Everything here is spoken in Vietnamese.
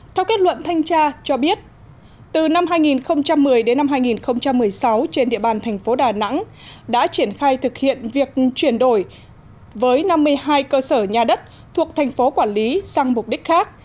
theo kết luận thanh tra cho biết từ năm hai nghìn một mươi đến năm hai nghìn một mươi sáu trên địa bàn thành phố đà nẵng đã triển khai thực hiện việc chuyển đổi với năm mươi hai cơ sở nhà đất thuộc thành phố quản lý sang mục đích khác